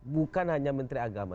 bukan hanya menteri agama